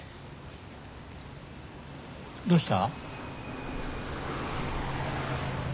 どうした？